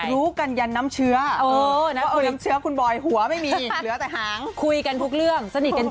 รอเห็นเขามาขอก่อน